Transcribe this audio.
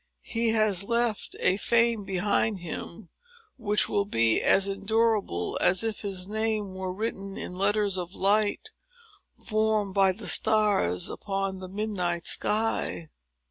He has left a fame behind him, which will be as endurable as if his name were written in letters of light, formed by the stars upon the midnight sky.